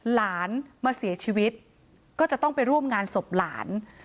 หลานมาเสียชีวิตก็จะต้องไปร่วมงานศพหลาน